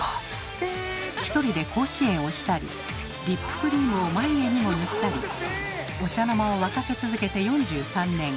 ひとりで甲子園をしたりリップクリームを眉毛にも塗ったりお茶の間を沸かせ続けて４３年。